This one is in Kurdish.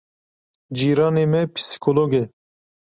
Cîranê me psîkolog e.